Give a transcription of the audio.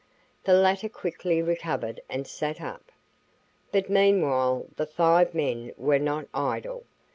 The latter quickly recovered and sat up. But meanwhile the five men were not idle.